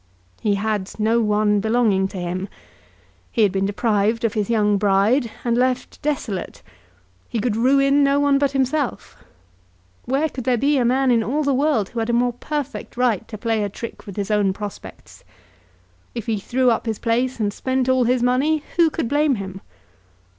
He had no one belonging to him. He had been deprived of his young bride, and left desolate. He could ruin no one but himself. Where could there be a man in all the world who had a more perfect right to play a trick with his own prospects? If he threw up his place and spent all his money, who could blame him?